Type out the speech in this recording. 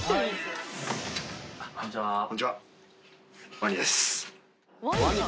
こんにちは。